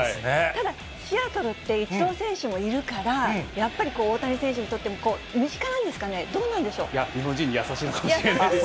ただ、シアトルって、イチロー選手いるから、やっぱり、大谷選手にとっても身近なんですいや、日本人に優しいのかもしれないですね。